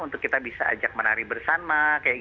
untuk kita bisa ajak menari bersama